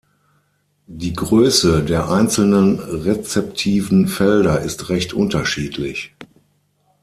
Die Größe der einzelnen rezeptiven Felder ist recht unterschiedlich.